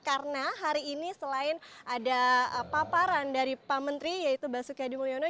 karena hari ini selain ada paparan dari pak menteri yaitu basuki ademulyono